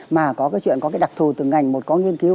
mà có cái chuyện có cái đặc thù từng ngành một có nghiên cứu